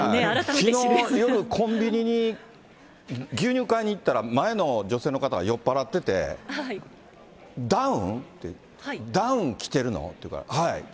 きのう夜、コンビニに牛乳買いに行ったら、前の女性の方が酔っ払ってて、ダウンって、ダウン着てるのって言うから、はい。